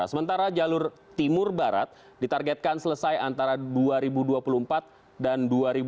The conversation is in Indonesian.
sementara jalur timur barat ditargetkan selesai antara dua ribu dua puluh empat dan dua ribu dua puluh